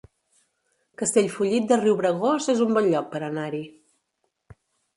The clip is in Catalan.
Castellfollit de Riubregós es un bon lloc per anar-hi